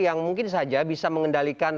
yang mungkin saja bisa mengendalikan